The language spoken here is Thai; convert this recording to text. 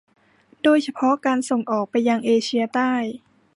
โดยเฉพาะการส่งออกไปยังเอเชียใต้